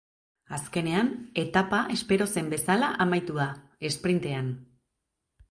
Azkenean, etapa espero zen bezala amaitu da, esprintean.